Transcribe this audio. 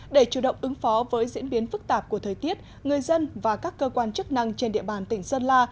để chủ động ứng phó với diễn biến phức tạp của thời tiết người dân và các cơ quan chức năng trên địa bàn tỉnh sơn la